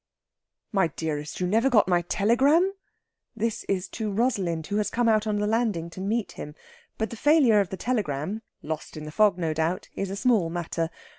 "My dearest, you never got my telegram?" This is to Rosalind, who has come out on the landing to meet him. But the failure of the telegram lost in the fog, no doubt is a small matter.